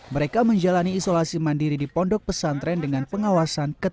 mereka menjalani isolasi mandiri di pondok pesantren dengan pengawasan ketat